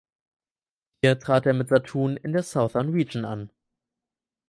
Hier trat er mit Satun in der Southern Region an.